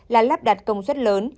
là lắp đặt công suất lớn